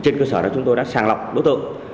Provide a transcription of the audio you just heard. trên cơ sở đó chúng tôi đã sàng lọc đối tượng